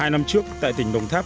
hai năm trước tại tỉnh đồng tháp